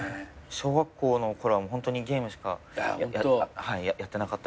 小学校のころはホントにゲームしかやってなかったぐらいで。